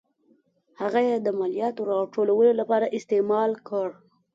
هغه یې د مالیاتو راټولولو لپاره استعمال کړ.